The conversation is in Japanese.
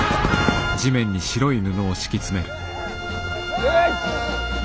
よし。